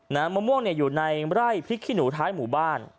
มะม่วงเนี่ยอยู่ในไร่พริกขี้หนูท้ายหมู่บ้าน